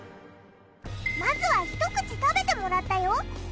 まずはひと口食べてもらったよ。